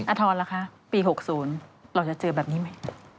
อเรนนี่แหละคะปี๖๐เราจะเจอแบบนี้ไหม